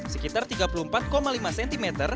sekitar tiga puluh empat lima cm